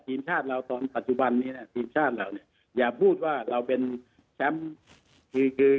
ทีมชาติเราตอนปัจจุบันนี้อย่าพูดว่าเราเป็นแชมป์